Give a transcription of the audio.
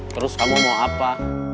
terus kamu mau apa